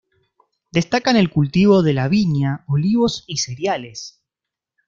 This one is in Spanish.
Destacan el cultivo de la viña, olivos y cereales.